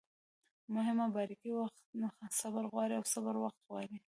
مهمه باریکي: وخت صبر غواړي او صبر وخت غواړي